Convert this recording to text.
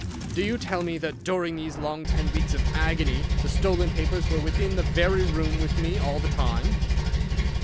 "Do you tell me that during these long ten weeks of agony the stolen papers were within the very room with me all the time?"